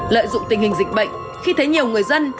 lợi dụng tình hình dịch bệnh khi thấy nhiều người dân